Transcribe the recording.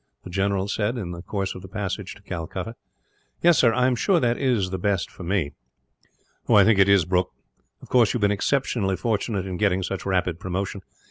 the general said, in the course of the passage to Calcutta. "Yes, sir. I am sure that it is best for me." "I think it is, Brooke. Of course, you have been exceptionally fortunate in getting such rapid promotion.